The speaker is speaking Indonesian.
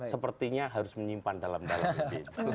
sepertinya harus menyimpan dalam dalam ini